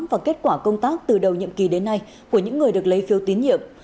và kết quả công tác từ đầu nhiệm kỳ đến nay của những người được lấy phiếu tín nhiệm